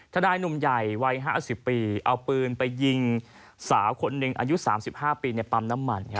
นายหนุ่มใหญ่วัย๕๐ปีเอาปืนไปยิงสาวคนหนึ่งอายุ๓๕ปีในปั๊มน้ำมัน